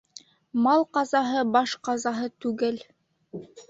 Мал ҡазаһы баш ҡазаһы түгел